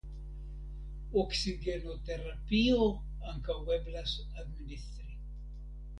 Oksigenoterapio ankaŭ eblas administri.